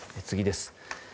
次です。